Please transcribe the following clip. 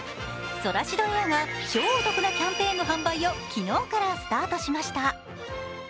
ソラシドエアが超お得なキャンペーンの販売を昨日からスタートしました。